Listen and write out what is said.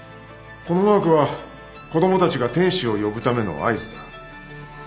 このマークは子供たちが天使を呼ぶための合図だ。